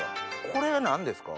これは何ですか？